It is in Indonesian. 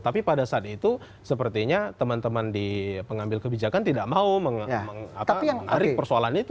tapi pada saat itu sepertinya teman teman di pengambil kebijakan tidak mau menarik persoalan itu